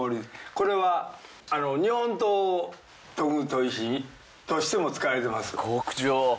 これは日本刀を研ぐ砥石としても使われてます。